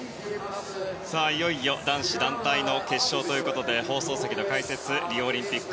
いよいよ男子団体の決勝放送席の解説リオオリンピック